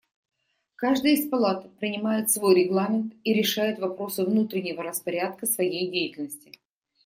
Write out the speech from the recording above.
Каждая из палат принимает свой регламент и решает вопросы внутреннего распорядка своей деятельности.